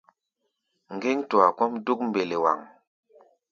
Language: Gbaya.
Ŋgéŋ-tua kɔ́ʼm dúk mbelewaŋ.